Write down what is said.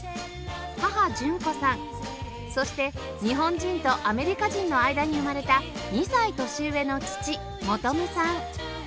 母純子さんそして日本人とアメリカ人の間に生まれた２歳年上の父求さん